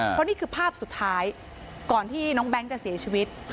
เพราะนี่คือภาพสุดท้ายก่อนที่น้องแบงค์จะเสียชีวิต